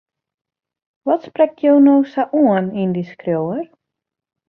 Wat sprekt jo no sa oan yn dy skriuwer?